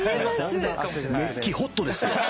熱気ホットですよ。